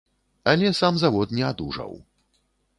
Але сам завод не адужаў.